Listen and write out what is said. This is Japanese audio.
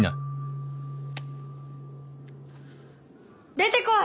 出てこい！